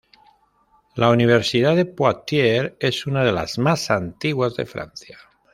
La universidad de Poitiers es una de las más antiguas de Francia.